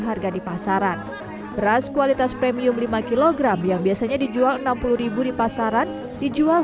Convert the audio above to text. harga di pasaran beras kualitas premium lima kg yang biasanya dijual enam puluh di pasaran dijual